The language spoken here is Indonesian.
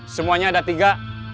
semuanya ada tiga